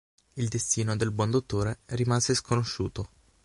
Il destino del buon dottore rimase sconosciuto.